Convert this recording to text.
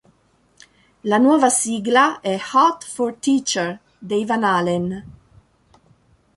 La nuova sigla è "Hot for Teacher" dei Van Halen.